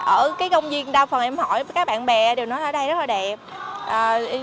ở cái công viên đa phần em hỏi các bạn bè đều nói ở đây rất là đẹp